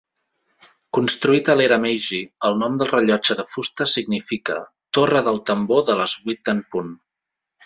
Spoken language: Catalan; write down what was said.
Construït a l'era Meiji, el nom del rellotge de fusta significa "torre del tambor de les vuit en punt".